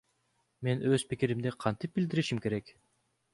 Мен өз пикиримди кантип билдиришим керек?